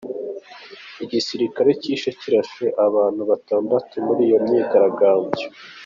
Igisirikare cyishe kirashe abantu batandatu muri iyo myigaragambyo.